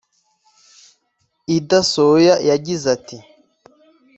Ida Sawyer yagize ati